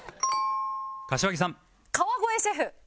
柏木さん